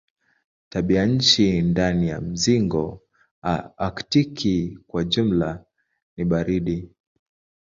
Tabianchi ndani ya mzingo aktiki kwa jumla ni baridi.